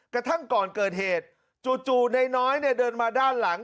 กระทั่งก่อนเกิดเหตุจู่นายน้อยเนี่ยเดินมาด้านหลัง